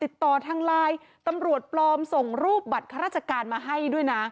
ติดต่อทางไลน์ตำรวจปลอมส่งรูปบัตรข้าราชการมาให้ด้วยนะ